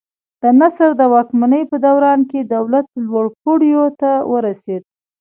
د نصر د واکمنۍ په دوران کې دولت لوړو پوړیو ته ورسېد.